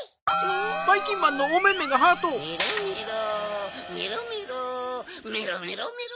メロメロメロメロメロメロメロ。